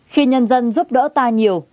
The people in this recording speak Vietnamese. khi nhân dân giúp đỡ ta nhiều